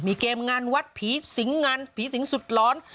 มีเกมงานวัดผีสิงงานผีสิงสุดร้อน